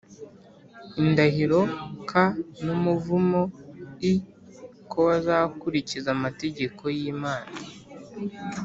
indahiro k n umuvumo l ko bazakurikiza amategeko y Imana